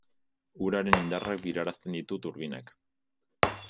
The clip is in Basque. Uraren indarrak birarazten ditu turbinak.